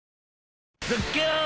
ズッキュン！